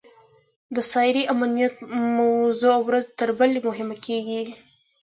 د سایبري امنیت موضوع ورځ تر بلې مهمه کېږي.